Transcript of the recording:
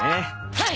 はい。